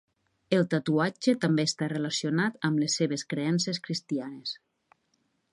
El tatuatge també està relacionat amb les seves creences cristianes.